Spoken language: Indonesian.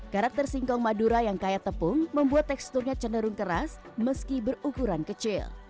karakter singkong madura yang kaya tepung membuat teksturnya cenderung keras meski berukuran kecil